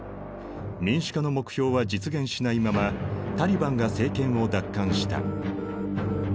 民主化の目標は実現しないままタリバンが政権を奪還した。